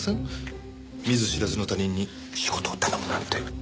見ず知らずの他人に仕事を頼むなんて。